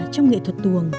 trong nghệ thuật tù